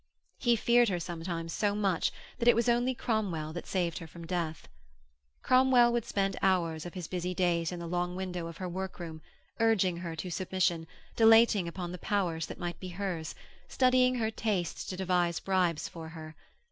He feared her sometimes so much that it was only Cromwell that saved her from death. Cromwell would spend hours of his busy days in the long window of her work room, urging her to submission, dilating upon the powers that might be hers, studying her tastes to devise bribes for her.